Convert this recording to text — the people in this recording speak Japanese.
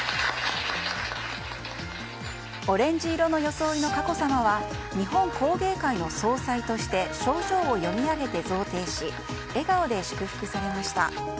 オレンジ色の装いの佳子さまは日本工芸会の総裁として賞状を読み上げて贈呈し笑顔で祝福されました。